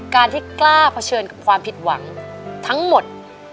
การที่กล้าเผชิญกับความผิดหวังทั้งหมด